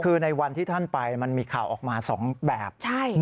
คือในวันที่ท่านไปมันมีข่าวออกมา๒แบบ